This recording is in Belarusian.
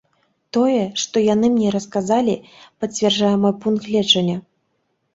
Тое, што яны мне расказалі, пацвярджае мой пункт гледжання.